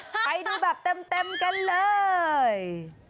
ไปดูแบบเต็มกันเลย